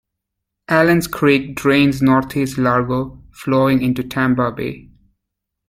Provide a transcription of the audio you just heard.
Allen's Creek drains northeast Largo, flowing into Tampa Bay.